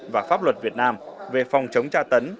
và pháp luật việt nam về phòng chống tra tấn